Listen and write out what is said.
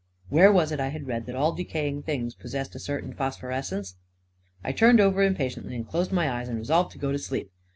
Where was it I had read that all decaying things pos sessed a certain phosphorescence? I turned over impatiently and closed my eyes and resolved to go to sleep.